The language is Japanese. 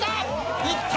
いった！